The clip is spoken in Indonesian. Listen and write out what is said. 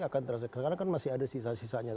karena kan masih ada sisa sisanya